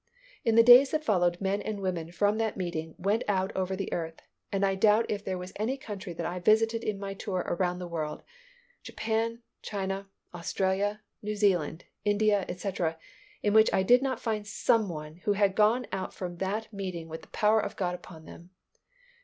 In the days that followed men and women from that meeting went out over the earth and I doubt if there was any country that I visited in my tour around the world, Japan, China, Australia, New Zealand, India, etc., in which I did not find some one who had gone out from that meeting with the power of God upon them.